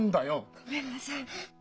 ごめんなさい。